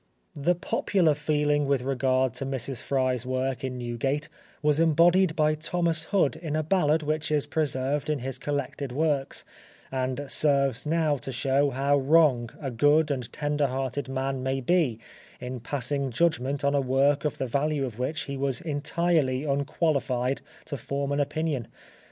The popular feeling with regard to Mrs. Fry's work in Newgate was embodied by Thomas Hood in a ballad which is preserved in his collected works, and serves now to show how wrong a good and tender hearted man may be in passing judgment on a work of the value of which he was entirely unqualified to form an opinion.